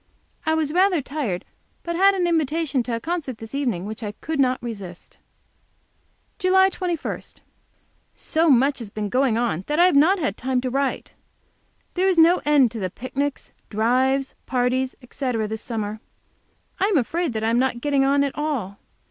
I was rather tired, but had an invitation to a concert this evening which I could not resist. JULY 21. So much has been going on that I have not had time to write. There is no end to the picnics, drives, parties, etc., this summer. I am afraid I am not getting on at all.